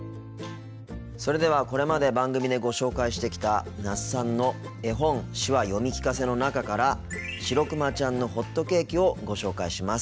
それではこれまで番組でご紹介してきた那須さんの「絵本手話読み聞かせ」の中から「しろくまちゃんのほっとけーき」をご紹介します。